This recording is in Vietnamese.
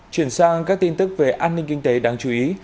chuyển sang các tin tức về an ninh kinh tế đáng chú ý